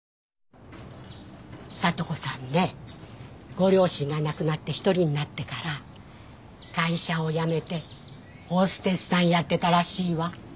ご両親が亡くなって一人になってから会社を辞めてホステスさんやってたらしいわ。